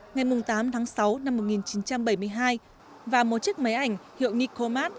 ngày tám tháng sáu năm một nghìn chín trăm bảy mươi hai và một chiếc máy ảnh hiệu nikomat